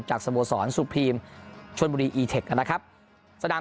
จากสโโศรสุปรีมชนบุรีอีเท็คอ่ะนะครับสดาม